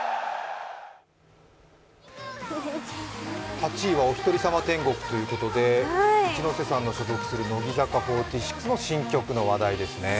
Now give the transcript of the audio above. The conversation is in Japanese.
８位は「おひとりさま天国」ということで、一ノ瀬さんの所属する乃木坂４６の新曲の話題ですね。